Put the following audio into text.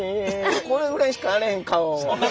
これぐらいしかあれへん顔。